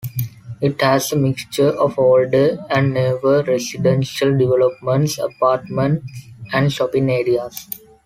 It has a mixture of older and newer residential developments, apartments, and shopping areas.